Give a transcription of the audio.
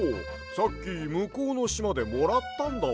さっきむこうのしまでもらったんだわ。